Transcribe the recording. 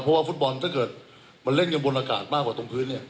เพราะว่าฟุตบอลถ้าเกิดมันเล่นกันบนอากาศมากกว่าตรงพื้นเนี่ย